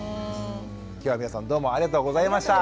きょうは皆さんどうもありがとうございました。